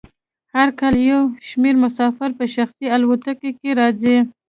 هر کال یو شمیر مسافر په شخصي الوتکو کې راځي